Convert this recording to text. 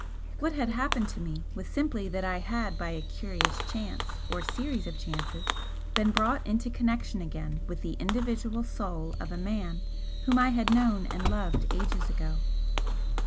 What had happened to me was simply that I had by a curious chance or series of chances been brought into connection again with the individual Soul of a man whom I had known and loved ages ago.